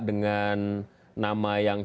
dengan nama yang